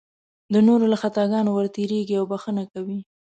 د نورو له خطاګانو ورتېرېږي او بښنه کوي.